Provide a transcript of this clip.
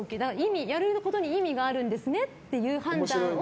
やるって意味があるんですねって判断を。